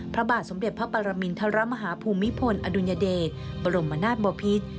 พระบาทสมเด็จพระปรมินทรมาฮาภูมิพลอดุลยเดชบรมนาศบพิษ